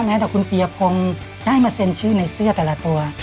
ต่อคุณปียพงศ์ได้มาเซ็นชื่อในเสื้อแต่ละตัว